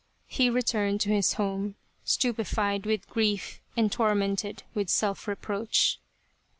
He returned to his home stupefied with grief and tormented with self reproach.